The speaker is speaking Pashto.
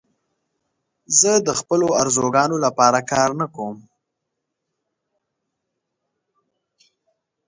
زه د خپلو آرزوګانو لپاره کار نه کوم.